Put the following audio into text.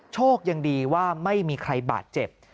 โชคดีว่าไม่มีใครบาดเจ็บ